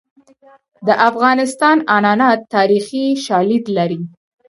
د افغانستان عنعنات تاریخي شالید لري.